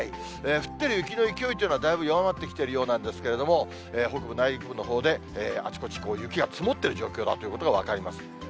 降ってる雪の勢いというのはだいぶ弱まってきているようなんですけれども、北部、内陸部のほうで、あちこち雪が積もってる状況だというのが分かります。